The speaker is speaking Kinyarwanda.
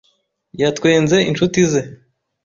Yatwenze inshuti ze.